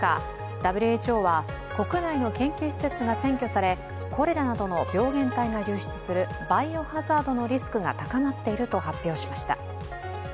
ＷＨＯは、国内の研究施設が占拠されコレラなどの病原体が流出するバイオ・ハザードのリスクが高まっていると発表しました。